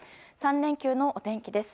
３連休のお天気です。